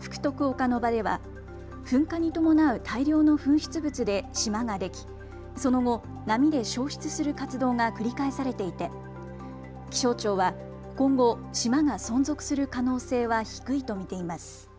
福徳岡ノ場では噴火に伴う大量の噴出物で島ができその後、波で消失する活動が繰り返されていて気象庁は今後、島が存続する可能性は低いと見ています。